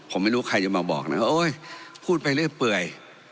ผมไม่รู้ใครจะมาบอกนะว่าโอ๊ยพูดไปเรื่อยเปื่อย